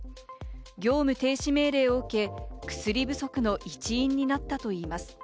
業務停止命令を受け、薬不足の一因になったといいます。